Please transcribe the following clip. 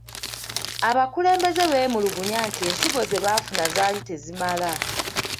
Abakulembeze beemulugunya nti ensigo ze baafuna zaali tezimala